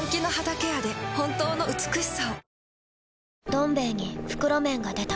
「どん兵衛」に袋麺が出た